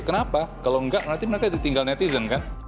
kenapa kalau enggak nanti mereka ditinggal netizen kan